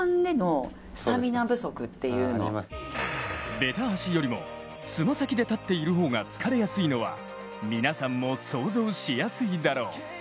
べた足よりもつま先で立っている方が疲れやすいのは皆さんも想像しやすいだろう。